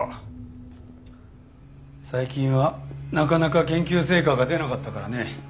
最近はなかなか研究成果が出なかったからね。